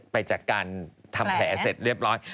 ไปจากการทำแผลเสร็จเรียบร้อย